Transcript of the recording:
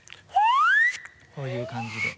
こういう感じで。